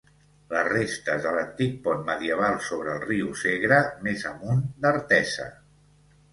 Les restes de l'antic pont medieval sobre el riu Segre més amunt d'Artesa.